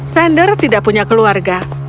sander tidak punya keluarga